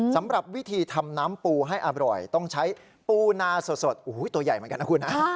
สำหรับวิธีทำน้ำปูให้อร่อยต้องใช้ปูนาสดโอ้โหตัวใหญ่เหมือนกันนะคุณฮะ